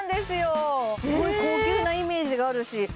すごい高級なイメージがあるし